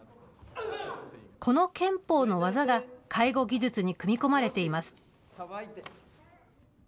この拳法の技が介護技術に組み込まれています。